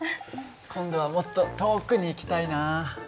今度はもっと遠くに行きたいな。